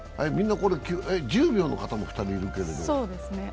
１０秒の方も２人いるけど。